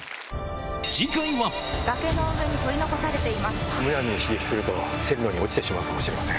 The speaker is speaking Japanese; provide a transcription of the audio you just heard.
次回はむやみに刺激すると線路に落ちてしまうかもしれません。